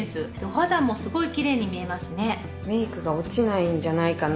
お肌もすごいきれいに見えますね。